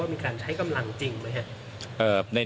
มีการใช้กำลังจริงไหมครับ